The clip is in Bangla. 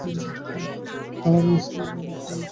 আর আমার স্ত্রীয়ের জন্য ফ্রাই করা প্লেন সাদা মাছ, সস ছাড়া।